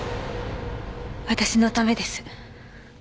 私のためです。